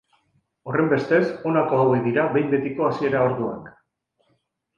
Horrenbestez, honako hauek dira behin-betiko hasiera orduak.